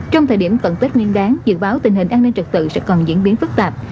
trong thời điểm tận tết nguyên đáng dự báo tình hình an ninh trật tự sẽ còn diễn biến phức tạp